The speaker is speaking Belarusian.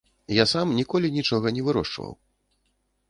Я сам ніколі нічога не вырошчваў.